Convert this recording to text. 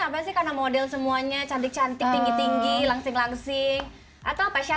apa sih karena model semuanya cantik cantik tinggi tinggi langsing langsing atau apa chef